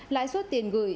lãi suất tiền gửi